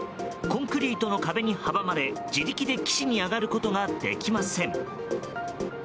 コンクリートの壁に阻まれ自力で岸に上がることができません。